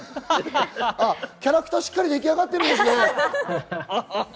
キャラクターしっかり出来上がってるんですね。